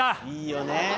いいよね。